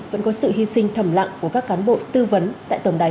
vẫn có sự hy sinh thầm lặng của các cán bộ tư vấn tại tổng đài một trăm một mươi một